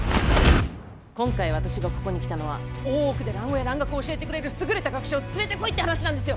今回私がここに来たのは大奥で蘭語や蘭学を教えてくれる優れた学者を連れてこいって話なんですよ！